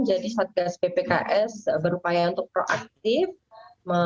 jadi satgas bpks berupaya untuk proaktifan